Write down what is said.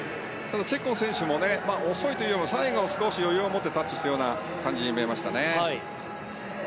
チェッコン選手も遅いというよりも、最後少し余裕を持ってタッチしたような感じに見えましたね。